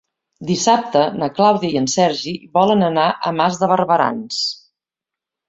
Dissabte na Clàudia i en Sergi volen anar a Mas de Barberans.